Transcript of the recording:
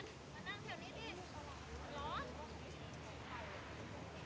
เมื่อเวลาเมื่อเวลาเมื่อเวลาเมื่อเวลา